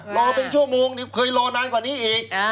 รอเป็นชั่วโมงเคยรอนานกว่านี้อีก